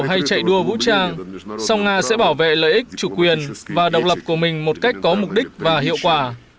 chúng tôi không quan tâm đến việc chạy đua vũ trang sau nga sẽ bảo vệ lợi ích chủ quyền và độc lập của mình một cách có mục đích và hiệu quả